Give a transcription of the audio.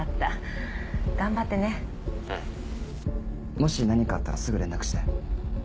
もし何かあったらすぐ連絡して。